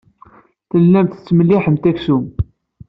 Tellamt tettmelliḥemt aksum.